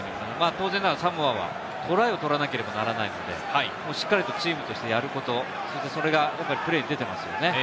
当然ながらサモアはトライを取らなければならないので、しっかりとチームとしてやること、それがプレーに出ていますよね。